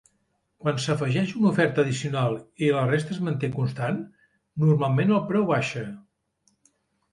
Quan s'afegeix una oferta addicional i la resta es manté constant, normalment el preu baixa.